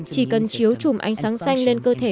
chỉ cần chiếu chùm ánh sáng xanh lên cơ thể